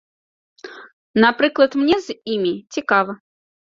Напрыклад, мне з імі цікава.